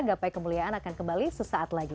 gapai kemuliaan akan kembali sesaat lagi